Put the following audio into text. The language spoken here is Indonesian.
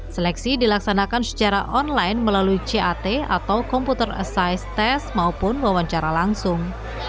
seleksi dilaksanakan secara online melalui cat atau komputer assis test maupun wawancara langsung